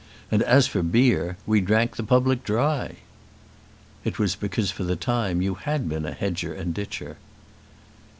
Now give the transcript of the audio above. And as for beer, we drank the public dry." "It was because for the time you had been a hedger and ditcher."